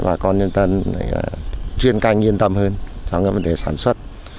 bà con nhân dân chuyên canh yên tâm hơn trong cái vấn đề sản xuất